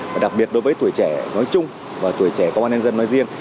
và đặc biệt đối với tuổi trẻ nói chung và tuổi trẻ công an nhân dân nói riêng